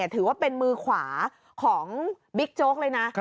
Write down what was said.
ถือว่าเป็นมือขวาของบิ๊กโจ๊กเลยนะ